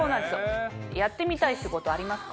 やってみたい仕事ありますか？